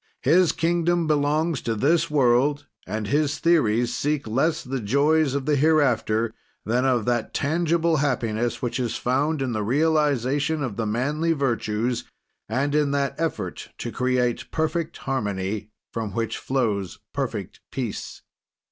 His kingdom belongs to this world, and his theories seek less the joys of the hereafter than of that tangible happiness which is found in the realization of the manly virtues and in that effort to create perfect harmony from which flows perfect peace.